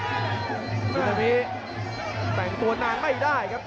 ตอนนี้แต่งตัวนานไม่ได้ครับ